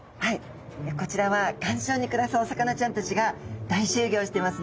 こちらは岩礁に暮らすお魚ちゃんたちが大集合してますね。